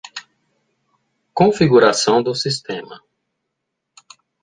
Configuração do sistema.